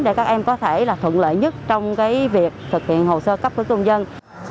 để các em có thể là thuận lợi nhất trong cái việc thực hiện hồ sơ cấp cước công dân